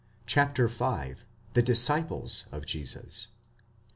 CHAPTER V. THE DISCIPLES OF JESUS.